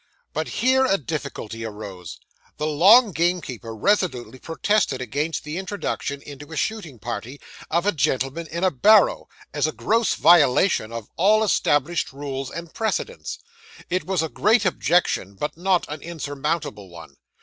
But here a difficulty arose. The long gamekeeper resolutely protested against the introduction into a shooting party, of a gentleman in a barrow, as a gross violation of all established rules and precedents. It was a great objection, but not an insurmountable one.